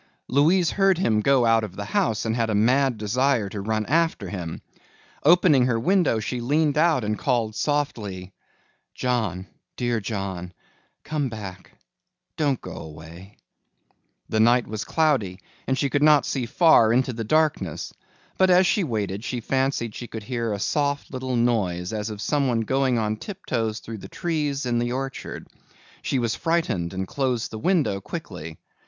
Louise heard him go out of the house and had a mad desire to run after him. Opening her window she leaned out and called softly, "John, dear John, come back, don't go away." The night was cloudy and she could not see far into the darkness, but as she waited she fancied she could hear a soft little noise as of someone going on tiptoes through the trees in the orchard. She was frightened and closed the window quickly.